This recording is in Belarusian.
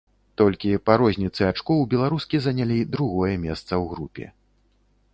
Толькі па розніцы ачкоў беларускі занялі другое месца ў групе.